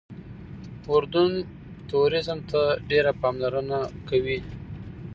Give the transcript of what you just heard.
اردن ټوریزم ته ډېره پاملرنه کوي.